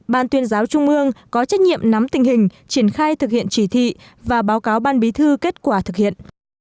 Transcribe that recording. ban tuyên giáo trung ương có trách nhiệm nắm tình hình triển khai thực hiện chỉ thị và báo cáo ban bí thư kết quả thực hiện